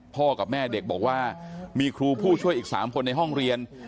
พ่อกับแม่เด็กบอกว่ามีครูผู้ช่วยอีก๓คนในห้องเรียน